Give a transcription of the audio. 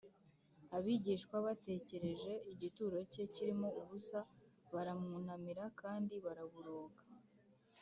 abigishwa batekereje igituro cye kirimo ubusa, baramwunamira kandi baraboroga